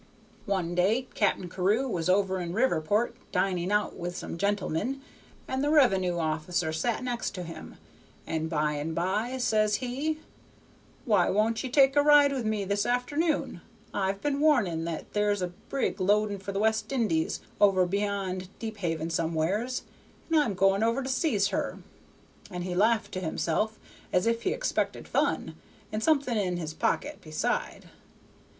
"One day Cap'n Carew was over in Riverport dining out with some gentlemen, and the revenue officer sat next to him, and by and by says he, 'Why won't ye take a ride with me this afternoon? I've had warning that there's a brig loading for the West Indies over beyond Deephaven somewheres, and I'm going over to seize her.' And he laughed to himself as if he expected fun, and something in his pocket beside.